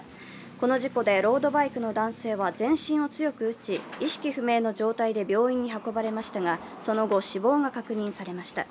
この事故でロードバイクの男性は全身を強く打ち、意識不明の状態で病院に運ばれましたが、その後、死亡が確認されました。